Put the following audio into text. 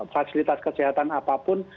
fasilitas kesehatan apapun